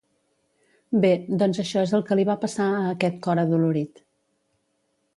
Bé, doncs això és el que li va passar a aquest cor adolorit.